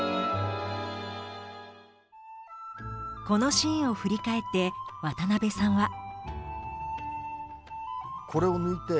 このシーンを振り返って渡辺さんは。